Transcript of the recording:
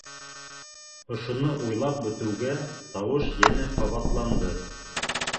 Ошоно уйлап бөтөүгә тауыш йәнә ҡабатланды: